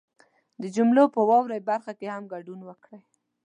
د جملو په واورئ برخه کې هم ګډون وکړئ